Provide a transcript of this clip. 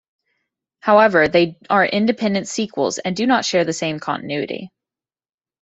However, they are independent sequels and do not share the same continuity.